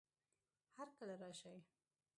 هر کله راشئ